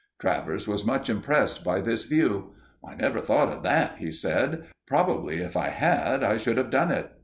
Travers was much impressed by this view. "I never thought of that," he said. "Probably, if I had, I should have done it.